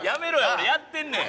俺やってんねん！